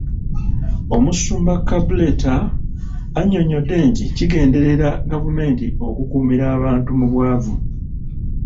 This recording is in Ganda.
Omusumba Kabuleta annyonnyodde nti kigenderere gavumenti okukuumira abantu mu bwavu.